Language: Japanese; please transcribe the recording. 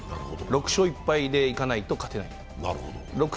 ６勝１敗でいかないと勝てない。